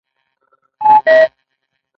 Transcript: دا ښځه ما له هغه وخته پیژانده.